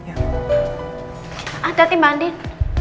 ah hati hati mbak andin